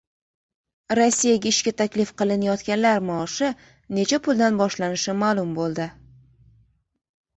Rossiyaga ishga taklif qilinayotganlar maoshi necha puldan boshlanishi ma’lum bo‘ldi